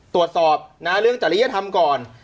ตรวจสอบเรื่องจริยธรรมก่อน